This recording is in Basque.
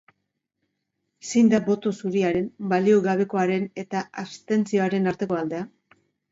Zein da boto zuriaren, balio gabekoaren eta abstentzioaren arteko aldea?